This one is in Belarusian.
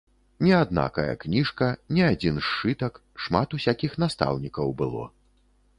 Не аднакая кніжка, не адзін сшытак, шмат усякіх настаўнікаў было.